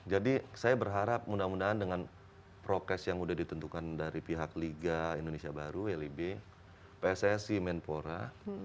jadi saya berharap mudah mudahan dengan progres yang udah ditentukan dari pihak liga indonesia baru wlib pssi menpora